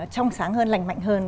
trong sáng hơn lành mạnh hơn